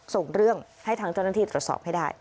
ส่งเรื่องให้ทางเจ้าหน้าที่ตรวจสอบให้ได้